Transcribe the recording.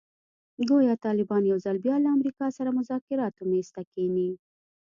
ګویا طالبان یو ځل بیا له امریکا سره مذاکراتو میز ته کښېني.